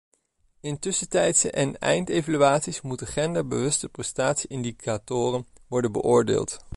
In tussentijdse en eindevaluaties moeten genderbewuste prestatie-indicatoren worden beoordeeld.